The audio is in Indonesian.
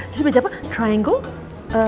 jadi belajar apa triangle